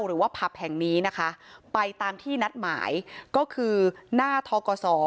หรือว่าผับแห่งนี้นะคะไปตามที่นัดหมายก็คือหน้าทกศ